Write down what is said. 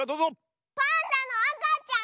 パンダのあかちゃん？